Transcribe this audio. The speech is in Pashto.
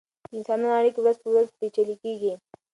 د انسانانو اړیکې ورځ په ورځ پیچلې کیږي.